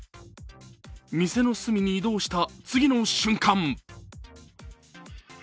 店の隅に移動した次の瞬間